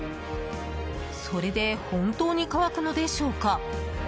それで本当に乾くのでしょうか？